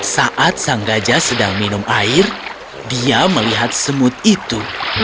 saat sang gajah sedang minum air dia melihat semut itu